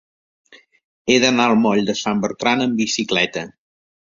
He d'anar al moll de Sant Bertran amb bicicleta.